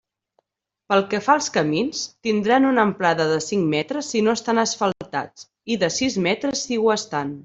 Pel que fa als camins, tindran una amplada de cinc metres si no estan asfaltats, i de sis metres si ho estan.